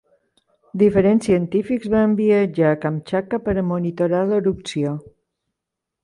Diferents científics van viatjar a Kamtxatka per a monitorar l'erupció.